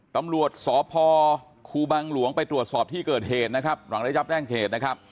ตำรวจสพครูมหไปตรวจสอบที่เกิดเหตุนะครับ